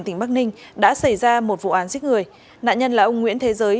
tỉnh bắc ninh đã xảy ra một vụ án giết người nạn nhân là ông nguyễn thế giới